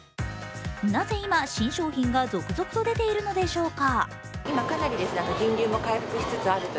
なぜ今、新商品が続々と出ているのでしょうか？